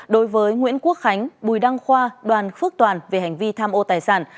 đối với nguyễn quốc khánh bùi đăng khoa đoàn phước toàn về hành vi tham ô tài sản